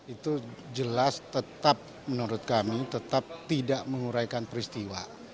itu jelas tetap menurut kami tetap tidak menguraikan peristiwa